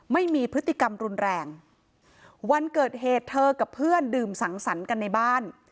ไม่มีพฤติกรรมรุนแรงวันเกิดเหตุเธอกับเพื่อนดื่มสังสรรค์กันในบ้าน